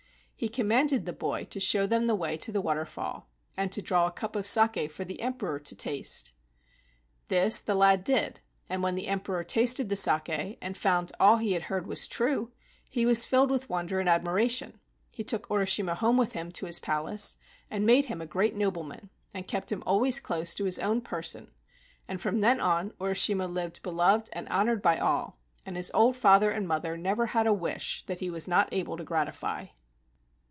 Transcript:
He commanded the boy to show them the way to the waterfall and to draw a cup of saki for the Emperor to taste. This the lad did, and when the Emperor tasted the saki and found all he had heard was true, he was filled with wonder and admiration. He took Urishima home with him to his palace and made him a great nobleman, and kept him always close to his own person, and from then on Urishima lived beloved and honored by all, and his old father and mother never had a wish that he was not able to gratify.